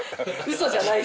嘘じゃないし。